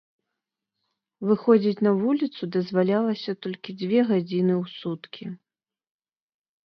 Выходзіць на вуліцу дазвалялася толькі дзве гадзіны ў суткі.